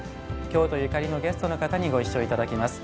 京都ゆかりのゲストの方にご一緒いただきます。